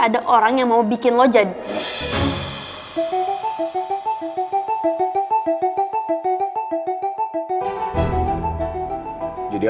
ada orang yang mau bikin lojan jadi